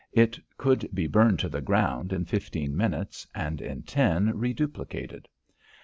It could be burned to the ground in fifteen minutes and in ten reduplicated.